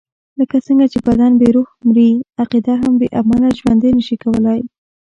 لکه څنګه چې بدن بې روح مري، عقیده هم بې عمله ژوند نشي کولای.